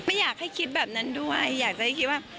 ไม่อยากให้คิดแบบนั้นด้วยอยากจะให้คิดว่า